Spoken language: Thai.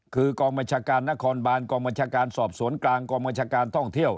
คือกองบัญชาการนครบานกองบัญชาการสอบสวนกลางกองบัญชาการท่องเที่ยว